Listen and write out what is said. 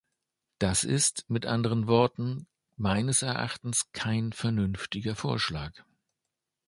Das ist, mit anderen Worten, meines Erachtens kein vernünftiger Vorschlag.